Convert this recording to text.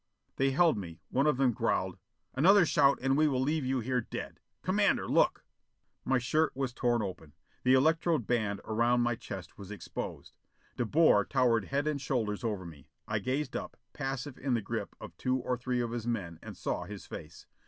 They held me. One of them growled. "Another shout and we will leave you here dead. Commander, look!" My shirt was torn open. The electrode band about my chest was exposed! De Boer towered head and shoulders over me. I gazed up, passive in the grip of two or three of his men, and saw his face.